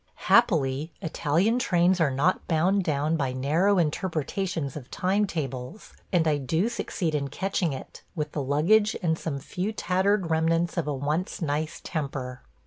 Happily, Italian trains are not bound down by narrow interpretations of time tables, and I do succeed in catching it, with the luggage and some few tattered remnants of a once nice temper.